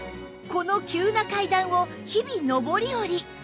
この急な階段を日々上り下り